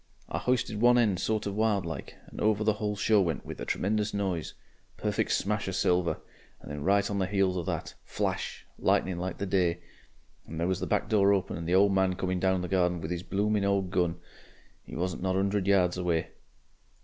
I hoisted one end sort of wild like, and over the whole show went with a tremenjous noise. Perfeck smash of silver. And then right on the heels of that, Flash! Lightning like the day! and there was the back door open and the old man coming down the garden with 'is blooming old gun. He wasn't not a 'undred yards away!